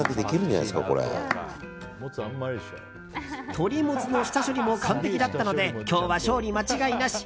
鶏もつの下処理も完璧だったので今日は勝利間違いなし。